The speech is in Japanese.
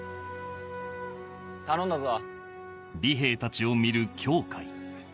頼んだぞ。